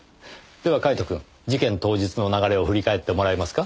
ではカイトくん事件当日の流れを振り返ってもらえますか？